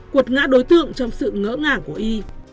cuột ngã đối tượng trong sự ngỡ ngàng của y